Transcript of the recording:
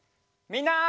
みんな！